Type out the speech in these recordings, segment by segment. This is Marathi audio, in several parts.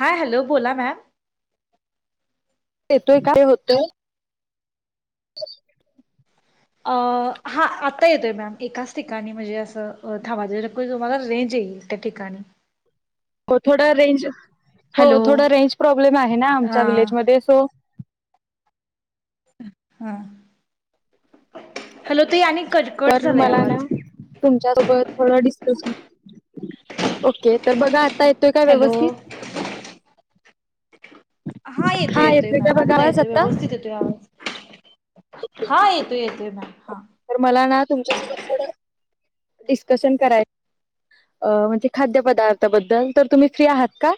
हाय हॅलो बोला मॅम येतोय काय होत [inaudible] अ हा आता येतोय मॅम एकाच ठिकाणी म्हणजे असं थांबवा तुम्हाला रेंज येईल त्या ठिकाणी हो थोडा रेंज हो हॅलो थोडं रेंज प्रॉब्लेम आहे ना हा आमच्या विलेजमध्ये सो हा हॅलो तु आणि कटकट तर झालाय मला ना आवाज तुमच्यासोबत थोडं डिस्कशन ओके तर बघा आता येतोय का हॅलो व्यवस्थित हा येतो येतोय का मॅम बघा आत्ता आवाज येतोय आता व्यवस्थित येतोय आवाज हा येतोय येतोय म तर मला ना तुमच्या थोड डिस्कशन करायच म्हणजे खाद्य पदार्थाबद्दल तर तुम्ही फ्री आहात का?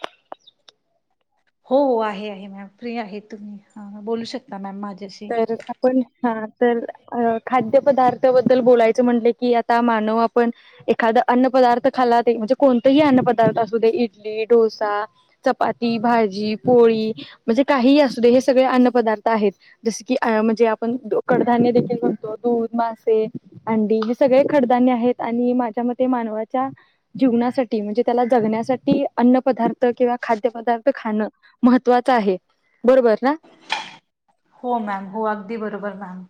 हो आहे आह मॅम फ्री आहे तुम्ही बोलू शकता मॅम माझ्या- तर आपण हा तर अ खाद्य पदार्थबद्दल बोलायचं म्हटले की आता मानव आपण एखादा अन्न पदार्थ खाला म्हणजे कोणतेही अन्न पदार्थ असू दे इडली, डोसा, चपाती, भाजी, पोळी, म्हणजे काहीही असू दे हे सगळे अन्न पदार्थ आहेत. जस की अ म्हणजे आपण कडधान्य देखील म्हणतो दूध, मासे, अंडी. हे सगळे कडधान्य आहेत आणि माझ्या मते मानवाच्या जीवनासाठी म्हणजे त्याला जगण्यासाठी अन्न पदार्थ किंवा खाद्य पदार्थ खाणं महत्त्वाचं आहे बरोबर ना? हो मॅम हो अगदी बरोबर मॅम.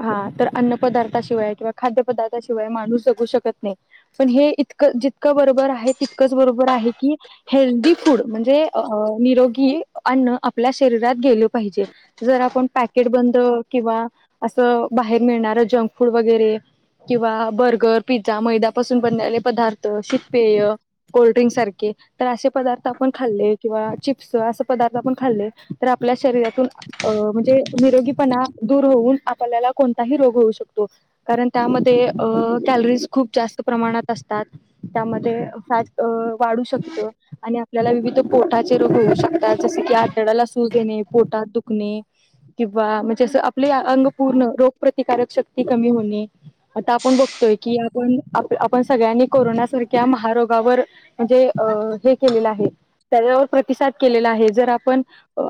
हा तर अन्न पदार्थाशिवाय किंवा खाद्य पदार्थाशिवाय माणूस जगू शकत. नाही पण हे इतकं जितकं बरोबर आहे. तितकंच बरोबर आहे की हेल्दी फूड म्हणजे, अ निरोगी अन्न आपल्या शरीरात गेलं पाहिजे. जर आपण पॅकेट बंद किंवा- असं बाहेर मिळणार जंक फूड वगैरे किंवा बर्गर, पिझ्झा मैद्यापासून बनलेले पदार्थ शीतपेय कोल्ड्रिंक सारखे तर असे पदार्थ आपण खाल्ले किंवा चिप्स असे पदार्थ आपण खाल्ले तर आपल्या शरीरातून अ म्हणजे निरोगीपणा दूर होऊन, आपल्याला कोणताही रोग होऊ शकतो कारण त्यामध्ये अ कॅलरीज खूप जास्त प्रमाणात असतात त्यामध्ये फॅट वाढू शकत आणि आपल्याला विविध पोटाचे रोग होऊ शकतात जस की आतड्याला सूज येणे पोटात दुखणे किंवा म्हणजे असं आपले अंग- पूर्ण रोग प्रतिकारशक्ती कमी होणे आता आपण बघतोय की आपण आपण सगळ्यांनी कोरोनासारख्या महारोगावर म्हणजे हे केलेलं आहे त्याच्यावर प्रतिसाद केलेला आहे जर आपण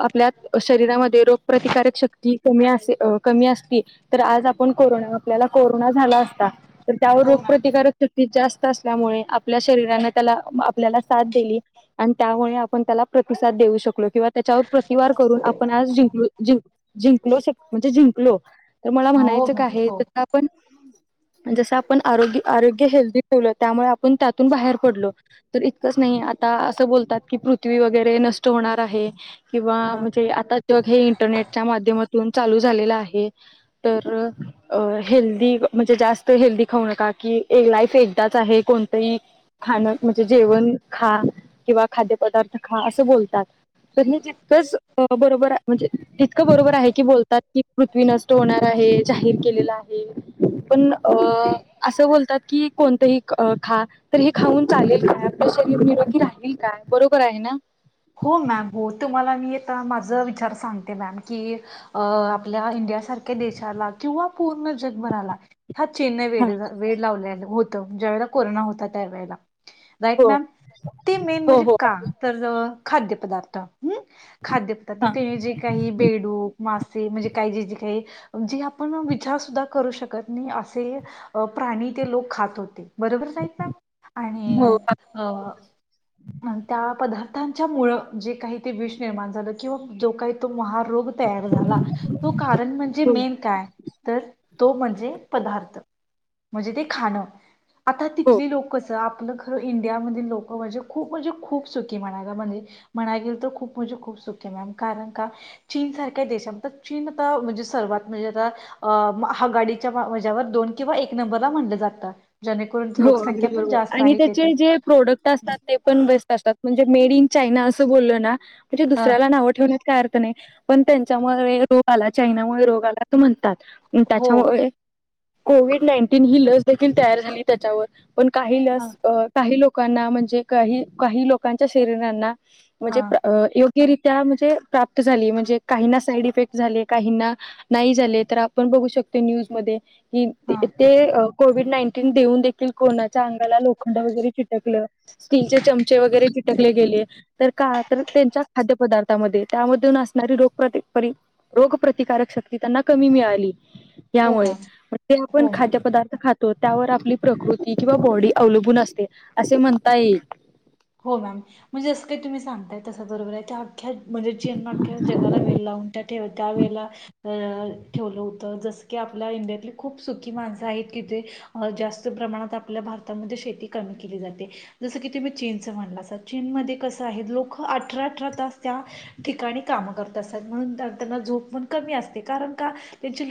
आपल्या शरीरामध्ये रोग प्रतिकारशक्ती कमी असे- कमी असती तर आज आपण कोरोना आपल्याला कोरोना झाला असता. तर त्यावर हो मॅम रोगप्रतिकारकशक्ती जास्त. मुळे आपल्या शरीराने त्याला आपल्याला साथ दिली आणि त्यामुळे आपण त्याला प्रतिसद देऊ शकलो किंवा त्यांच्यावर प्रति वार करून आप जिंक जिंकलो लो तर मला हो म्हणायचं का मॅम आहे हो कायपण जस आपण आरोग्य आरोग्य हेल्दी ठेवलं त्यामुळे आपण त्यातून बाहेर पडलो तर इतकंच नाही आता असं बोलतात की पृथ्वी वगैरे नष्ट होणार आहे. किंवा हा म्हणजे आता- उद्योग हे इंटरनेटच्या माध्यमातून चालू झालेलं आहे. तर हेल्दी म्हणजे जास्त हेल्दी खाऊ नका कि एक लाईफ एकदाच आहे कोणतंही खाणं म्हणजे जेवण खा किंवा खाद्यपदार्थ खा असं बोलतात तर हे जितकंच बरोबर आहे म्हणजे जितकं बरोबर आहे की बोलतात. पृथ्वी नष्ट होणार आहे जाहीर केलेलं आहे. पण अ असं बोलतात की कोणतंही खा तर हे खाऊन चालेल काय आपलं शरीर निरोगी राहतील काय बरोबर आहे ना? हो मॅम हो तुम्हाला मी आ माझ विचार सांगते मॅम की आपल्या इंडिया सारख्या देशाला किंवा- पूर्ण जगभराला हा चीन ने हा. वेड लावले आहे. ज्या वेळेला कोरोना होता त्यावेेळेला- राईट हो मॅम ते मेन हो म्हणजे हो का अगदी तर जवळ खाद्यपदार्थ हम्म खाद्यपदार्थ हा. तेने जे काही बेडूक मासे म्हणजे काही जे जे काही जे आपण विचार सुद्धा करू शकत नाही असे प्राणी ते लोक खात होते. बरोबरच आहेत ना हो आणि अ त्या पदार्थ मुळ जे काही ते विष निर्माण झालं किंवा जो काही तो महा- रोग तयार झाला तो कारण म्हणजे अगदी मेन काय तर तो म्हणजे? पदार्थ म्हणजे ते खाणं- आता हो तिथले लोक कस आपलं- तर इंडियामधली लोक म्हणजे खूप म्हणजे खूप सुखी म्हणाल. म्हणायची तर खूप म्हणजे खूप सुखी मॅम कारण का चीन सारख्या दशान चीन आता म्हणजे सर्वात म्हणजे आता आघाडीच्या हेच्यावर दोन किंवा एक नंबरला म्हणलं जातं. जेणेकरून हो लोकसंख्या पण जास्त आणि आहे तेथे त्यांचे जे प्रोडक्ट असतात ते पण बेस्ट असतात. म्हणजे मेडइन चायना असं बोललो ना. म्हणजे ह दुसऱ्याला नाव ठेवण्यात. काय अर्थ नाही. पण त्यांच्यामुळे रोग आला. चायनामुळे रोग आला. तु म्हण हो त्याच्यामुळे कोविड नाईन्टीन ही लस देखील तयार झाली. त्याच्यावर पण काही ह लस काही लोक लोकांना म्हणजे काही काही लोकांच्या शरीरांना म्हणजे हा य यो- -ग्यरित्या म्हणजे प्राप्त झाली म्हणजे काही साईड इफेक्ट झाले काहीना नाही झाले तर आपण बघू शकतो न्यूजमध्ये की हा ते अ कोविड नाईन्टीन देऊन देखील कोणाच्या अंगाला लोखंड वगैरे चिटकलं स्टीलचे चमचे वगैरे चिटकले गेले तर का तर त्यांच्या खाद्यपदार्थामध्ये त्यामधून असणारी रोगत रोगप्रतिकारक शक्ती त्यांना कमी मिळाली. हो त्यामुळे मॅम ते आपण हो मॅम खाद्यपदार्थ खा- -तो त्यावर आपली प्रकृती किंवा बॉडी अवलंबून असते असे म्हणता येईल. हो मॅम म्हणजे जसं काही तुम्ही सांगताय तस बरोबर आहे. त्या अख्या म्हणजे ज्यानं अख्या जगाला वेळ लावून ठेवलं त्या वेळेला अ ठेवलं होतं जसं की आपल्या इंडियातली खूप सुखी माणसं आहेत की ते जास्त प्रमाणात आपल्या भारतामध्ये शेती कामे केली जाते. जसं की तुम्ही चीनच म्हणलासा चीन मध्ये कसं आहे लोक अठरा अठरा तास त्या ठिकाणी काम करत असतात. म्हणून त्यांना झोप पण कमी असते. कारण का त्यांचे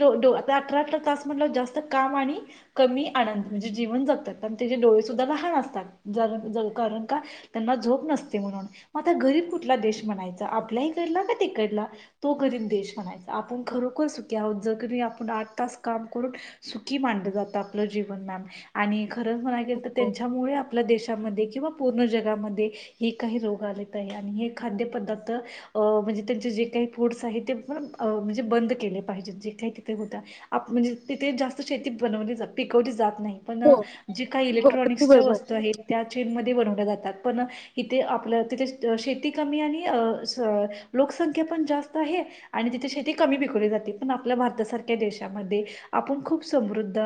अठरा अठरा तास म्हणलं जास्त काम आणि कमी आनंद म्हणजे जीवन जगतात. अन त्यांचे डोळे सुद्धा लहान असतात. जरा जात कारण का त्यांना झोप नसते म्हणून मग आता गरीब कुठला देश म्हणायचा आपल्या इकडला की तिकडला तो गरीब देश म्हणायचा. आपण खरोखर सुखी आहोत जे की आपण आठ तास काम करून सुखी मानलं जातं आपलं जीवन मॅम आणि खरंच म्हणा हो त्यांच्यामुळे आपल्या देशामध्ये किंवा पूर्ण जगामध्ये हे काही रोग आलेत आहे आणि हे खाद्य पदार्थ अ म्हणजे त्यांचे जे काही फूड्स आहे ते पण म्हणजे बंद केले पाहिजे जे काही तिथे होता आप म्हणजे तिथे जास्त शेती बनवली जात पिकवली जात. नाही पण हो जे काही अगदी इलेक्ट्रॉनिक्सच्या बरोबर वस्तू आहेत त्या चीन मध बनवल्या जातात पण इथे आपलं तिथे शेती कमी आणि अं लोकसंख्या पण जास्त आहे आणि तिथे शेती कमी पिकवली जाते. पण आपल्या भारतासारख्या देशामध्ये आपण खूप समृद्ध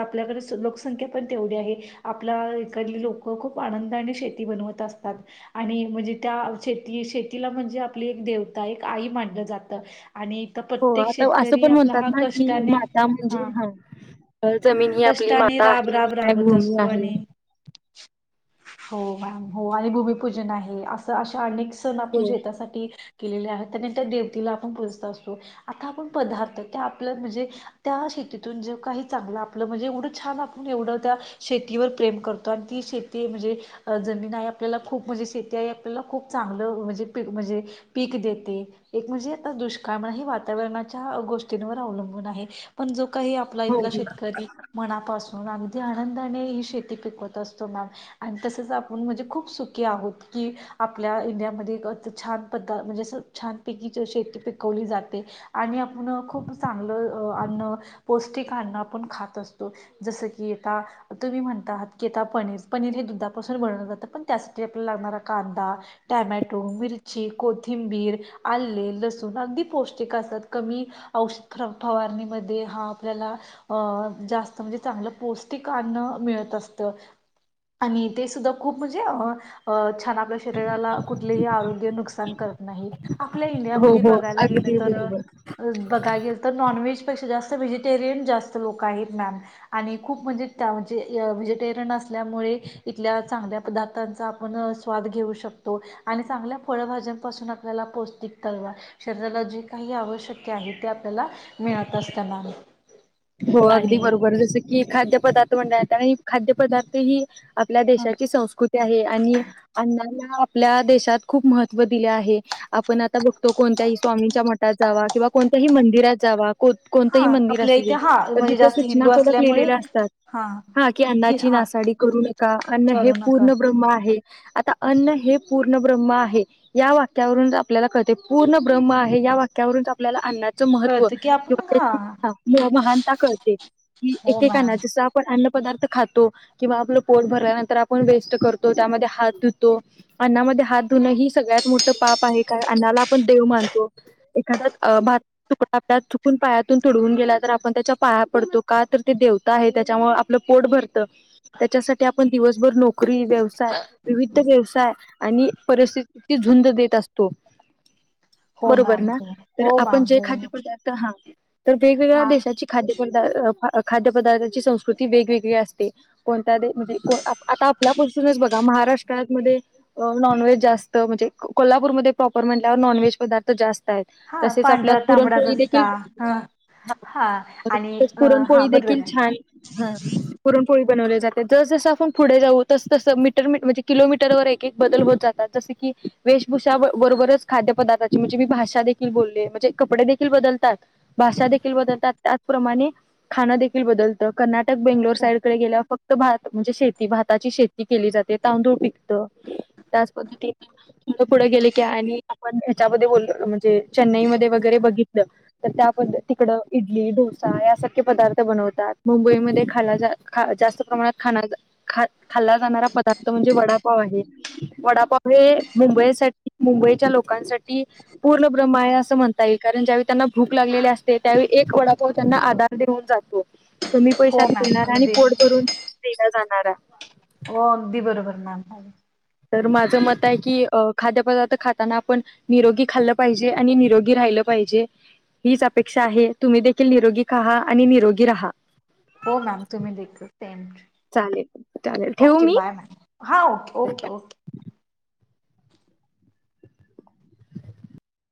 आपल्याकडे लोकसंख्या पण तेवढी आहे, आपल्या इकड लोक खूप आनंदाने शेती बनवत असतात आणि म्हणजे त्या शेती शेतीला म्हणजे आपली एक देवता एक आई मानलं जातं. आणि तर हो प्रत्येक आता असं शेतकरी पण आपला म्हणतात हा ना कि कष्टाने माता म्हणजे हा हा जमीन ही आपली कष्टाने माता राब राब आहे राबत भूमी असतो आहे. आणि [inaudible] हो मॅम हो आणि भूमिपूजन आहे असं अशा अनेक सण आपण हो शेतासाठी केलेल्या आहेत त्यानं त्या देवतीला आपण पुजत असतो आता आपण पदार्थ त्या आपलं म्हणजे त्या शेतीतून जे काही चांगलं आपलं म्हणजे एवढं छान आपण एवढं त्या शेतीवर प्रेम करतो आणि ती शेती ते म्हणजे जमीन आहे आपल्याला खूप म्हणजे शेती आहे आपल्याला खूप चांगलं म्हणजे पी म्हणजे पीक देते एक म्हणजे आता दुष्काळम हे वातावरणाच्या गोष्टींवर अवलंबून आहे पण जो काही आपला इथला हो शेतकरी मनापासून अगदी आनं धाने ही शेती पिकवत असतो मॅम. आणि तसच आपण म्हणजे खूप सुखी आहोत की आपल्या इंडियामध्ये एक छान पदा म्हणजे छान पैकी शेती पिकवली जाते आणि आपण खूप चांगलं अन्न, पौष्टिक अन्न आपण खात असतो जस की आता तुम्ही म्हणतात की आता पनीर पनीर हे दुधापासून बनवलं जातं पण त्यासाठी आपल्याला लागणारा कांदा, टॅमॅटो, मिरची, कोथिंबीर, आले, लसूण अगदी पौष्टिक असतात, कमी औष फवारणीमध्ये हा आपल्याला अं जास्त म्हणजे चांगलं पौष्टिक अन्न मिळत असत. आणि ते सुद्धा खूप म्हणजे हं अं छान आपल्या शरीराला कुठलेही आरोग्य नुकसान कर नाही आपल्या हो इंडियामध्ये हो बघायला गेलं अगदी तर बरोबर बघायला गेल तर नॉनव्हेज पेक्षा जास्त व्हेजिटेरियन जास्त लोक आहेत मॅम आणि खूप म्हणजे त्या म्हणजे व्हेजिटेरियन असल्यामुळे इथल्या चांगल्या पदार्थांचा आपण स्वाद घेऊ शकतो आणि चांगल्या फळभाज्यांपासून आपल्याला पौष्टिक तलवार शरीराला जे काही आवश्यक आहे, ते आपल्याला मिळत असत मॅम. हो अगदी आणि बरोबर जसं की खाद्य पदार्थ [unintelligible] खाद्य पदार्थ ही आपल्या देशाची संस्कृती आहे आणि अन्ना आपल्या देशात खूप महत्त्व दिले आहे, आपण आता बघतो कोणत्याही स्वामींच्या मठात जावा किंवा कोणत्याही मंदिरात जावा कोत कोणतंही हा मंदिर आपल्या असु इथे दे. हा तर म्हणजे तिथे जास्त सूचना हिंदू फलक असल्यामुळे लिहिलेल्या असतात हा की अन्नाची नासाडी करू नका अन्न हे करू नका पूर्ण ब्रम आहे. आता अन्न हे पूर्ण ब्रह्म आहे, या वाक्यावरून आपल्याला कळते पूर्ण ब्रह्म आहे या वाक्यावरून आपल्याला अन्ना महत्व कळत की आपण घा किंवा [unintelligible] महानता कळते की एक हो के काना मॅम जस आपण अन्न पदार्थ खातो किंवा आपलं पोट भरल्यानंतर आपण वेस्ट करतो त्यामध्ये हात धुतो अन्नामध्ये हात धुणं ही सगळ्यात मोठं पाप आहे का अन्नाला आपण देव मानतो एखाद्या भात तुकडा आ चुकून पायातून तुडवून गेला तर आपण त्याच्या पाया पडतो का तर ते देवता आहे त्याच्यामुळे आपलं पोट भर त त्याच्यासाठी आपण दिवसभर नोकरी व्यवसाय विविध व्यवसाय आणि परिस्थितीची झुंज देत असतो. हो बरोबर मॅम ना हो तर हो आपण मॅम जे हो खाद्य पदार्थ हा तर वेगवेगळ्या हा देशात [unintelligible] खाद्य पदार्थाची संस्कृती वेगवेगळी असते कोणत्या दे म्हणजे आ आता आपल्यापासूनच बघा महाराष्ट्रामध्ये नॉनव्हेज जास्त म्हणजे को कोल्हापूरमध्ये प्रॉपर म्हणल्यावर नॉनव्हेज पदार्थ जास्त आहेत हा तसेच आपल्यात पांढरा- तांबडा पुरणपोळी रस्सा, देखील ह हा आणि हा पुरणपोळी बरोबर देखील आहे छान ह पुरणपो बनवले जाते जस जसं आपण पुढे जाऊ तस तस मीटर म्हणजे किलोमीटर ववर एक एक बदल होत जातात, जस की वेशभूषा बरोबरच खाद्य पदार्थाची म्हणजे मी भाषा देखील बोलले म्हणजे कपडे देखील बदलतात भाषा देखील बदलतात. त्याचप्रमाणे खाण देखील बदलतं कर्ना टक बेंगलोर हो साईडडे गेला फक्त भात म्हणजे शेती भाताची शेती केली जाते तांदूळ पिकत त्याच पद्धतीने पुढे गेली की आणि हेच्या म्हणजे चेन्नई म वगरे बघित तर त्या तिकड ईडली डोसा यासारखे पदार्थ बनवतात. मुंबई मध्ये खा ख जास्त प्रमाणात खा खाल्ला जाणारा पदार्थ म्हणजे वडापाव आहे, वडापाव हे मुंबईसाठी मुंबईच्या लोकांसाठी पूर्ण ब्रह्मा आहे असं म्हणताई कारण ज्यावेळी त्यांना भूक लागलेली असते त्यावेळी एक वडापाव त्यांना आधार देऊन जातो. कमी पैशात हो मॅम मिळणार आणि अगदी पोड करूनला जाणार हड हो अगदी बरोबर मॅम तर माझं मत आहे की खाद्यपदार्थ खाताना, आपण निरोगी खाल्लं पाहिजे आणि निरोगी राहिलं पाहिजे हीच अपेक्षा आहे तुम्ही देखील निरोगी खा आणि निरोगी राहा. हो मॅम तुम्ही देखील चालेल चालेल ठेवू ओके मी बाय बाय मॅम हा ओके बाय ओके ओके